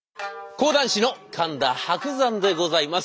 講談師の神田伯山でございます。